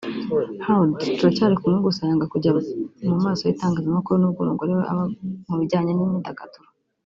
Heard turacyari kumwe gusa yanga kujya mu maso y’itangazamakuru nubwo umugore we aba mu bijyanye n’imyidagaduro